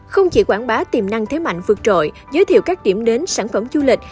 không chỉ quảng bá tiềm năng thế mạnh vượt trội giới thiệu các điểm đến sản phẩm du lịch